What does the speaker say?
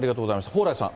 蓬莱さん。